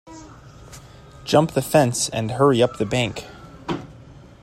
Jump the fence and hurry up the bank.